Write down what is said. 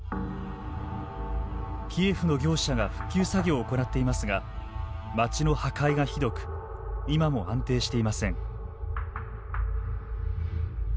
キエフの業者が復旧作業を行っていますが街の破壊がひどく今も安定していません。